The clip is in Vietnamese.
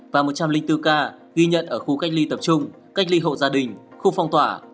và một trăm linh bốn ca ghi nhận ở khu cách ly tập trung cách ly hộ gia đình khu phong tỏa